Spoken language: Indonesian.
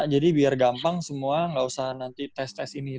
biar gampang semua nggak usah nanti tes tes ini